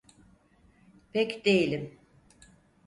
Pek değilim.